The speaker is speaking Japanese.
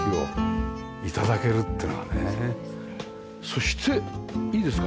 そしていいですか？